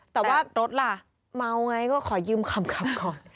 แต่ว่ารถล่ะเมาไงก็ขอยืมขำก่อน